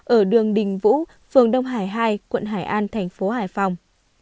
ở đường đình vũ phường đông hải hai quận hải an tp hải phòng